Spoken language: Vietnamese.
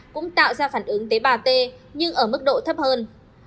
cũng tạo ra phản ứng tế bà t nhưng ở mức độ thấp hơn